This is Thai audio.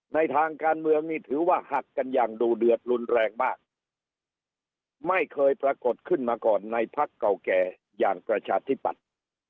ในทางการเมืองนี่ถือว่าหักกันอย่างดูเดือดรุนแรงมากไม่เคยปรากฏขึ้นมาก่อนในพักเก่าแก่อย่างประชาธิปัตย์